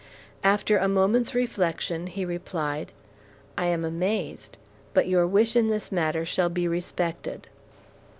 After a moment's reflection, he replied, "I am amazed; but your wish in this matter shall be respected."